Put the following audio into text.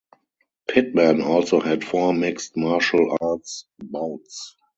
Pittman also had four mixed martial arts bouts.